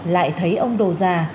lại thấy ông đồ già